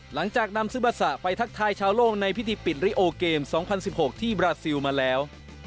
หลังจากนำซึบัสะไปทักทายชาวโลกในพิธีปิดริโอเกม๒๐๑๖ที่บราซิลมาแล้ว